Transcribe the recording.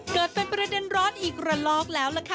เกิดเป็นประเด็นร้อนอีกระลอกแล้วล่ะค่ะ